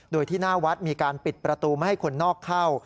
โดยที่หน้าวัดมีการปิดประตูไม่ให้คนนอกเข้า